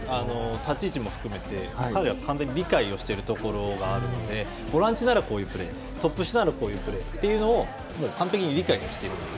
立ち位置も含め彼は完全に理解しているところがあるのでボランチならこういうプレートップ下ならこういうプレーと完璧に理解している。